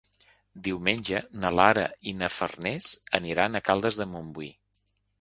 Diumenge na Lara i na Farners aniran a Caldes de Montbui.